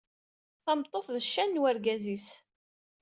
Tameṭṭut d ccan n wergaz-is.